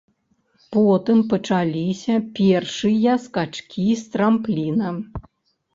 Потым пачаліся першыя скачкі з трампліна.